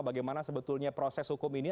bagaimana sebetulnya proses hukum ini